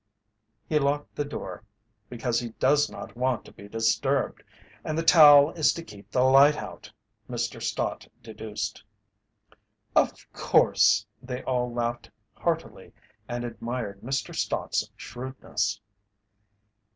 "He locked the door because he does not want to be disturbed, and the towel is to keep the light out," Mr. Stott deduced. "Of course!" They all laughed heartily and admired Mr. Stott's shrewdness.